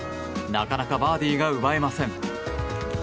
なかなかバーディーが奪えません。